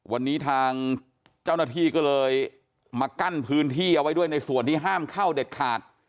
วันนี้ทางเจ้าหน้าที่ก็เลยมากั้นพื้นที่เอาไว้ด้วยในส่วนที่ห้ามเข้าเด็ดขาด